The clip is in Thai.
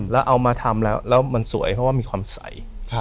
แล้วเอามาทำแล้วแล้วมันสวยเพราะว่ามีความใส